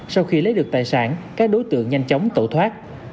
sau khi lấy được tài sản các đối tượng nhanh chóng tẩu thoát